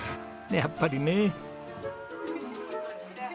やっぱりね。